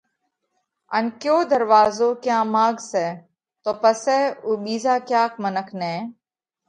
ان ڪيو ڌروازو ڪيا ماڳ سئہ تو پسئہ اُو ٻِيزا ڪياڪ منک نئہ